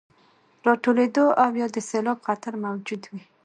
راټولېدو او يا د سيلاب خطر موجود وي،